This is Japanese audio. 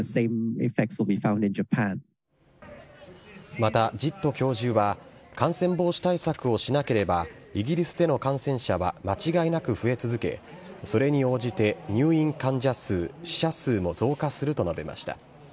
また、ジット教授は、感染防止対策をしなければイギリスでの感染者は間違いなく増え続け、それに応じて入院患者数、死者数も増加すると述べました。